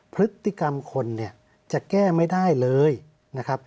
พฤติกรรมคนเนี่ยจะแก้ไม่ได้เลยนะครับ